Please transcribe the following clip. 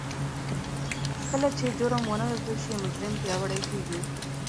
کله چې جرم ونه رټل شي مجرم پياوړی کېږي.